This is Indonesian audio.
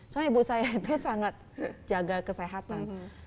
soalnya ibu saya itu sangat jaga kesehatan